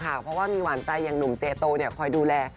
เพราะว่ามีหวานใจอย่างหนุ่มเจโตคอยดูแล